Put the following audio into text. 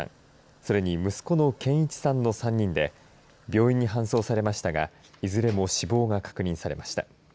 それに息子の健一さんの３人で病院に搬送されましたがいずれも死亡が確認されました。